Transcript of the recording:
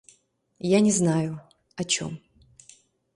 Я не знаю... о чём...